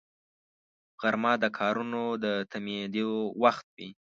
غرمه د کارونو د تمېدو وخت وي